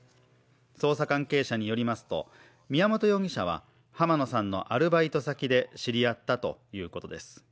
捜査関係者によりますと、宮本容疑者は濱野さんのアルバイト先で知り合ったということです。